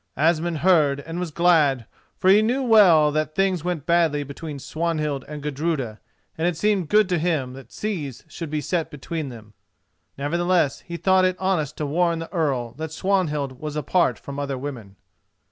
Asmund heard and was glad, for he knew well that things went badly between Swanhild and Gudruda, and it seemed good to him that seas should be set between them. Nevertheless, he thought it honest to warn the Earl that Swanhild was apart from other women.